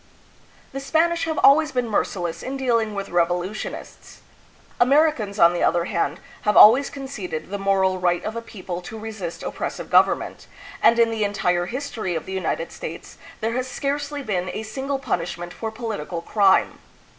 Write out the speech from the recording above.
The Spanish have always been merciless in dealing with revolutionists. Americans, on the other hand, have always conceded the moral right of a people to resist oppressive government, and in the entire history of the United States there has scarcely been a single punish ment for political crime.